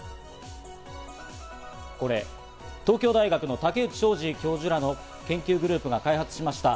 これ、東京大学の竹内昌治教授らの研究グループが開発しました。